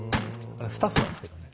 あれスタッフなんですけどね。